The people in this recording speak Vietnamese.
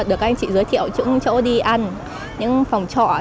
được các anh chị giới thiệu những chỗ đi ăn những phòng trọ